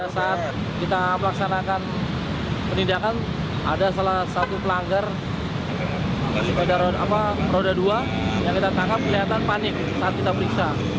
saat kita melaksanakan penindakan ada salah satu pelanggar roda dua yang kita tangkap kelihatan panik saat kita periksa